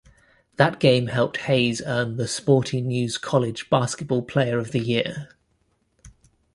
That game helped Hayes earn "The Sporting News" College Basketball Player of the Year.